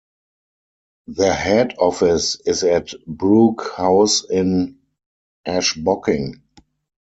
Their head office is at Brooke House in Ashbocking.